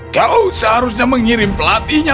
kau seharusnya mengirim pelatihnya